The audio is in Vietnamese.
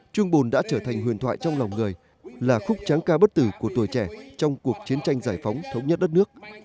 trương bồn đã trở thành huyền thoại trong lòng người là khúc tráng ca bất tử của tuổi trẻ trong cuộc chiến tranh giải phóng thống nhất đất nước